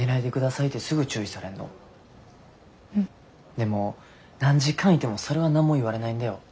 でも何時間いてもそれは何も言われないんだよ。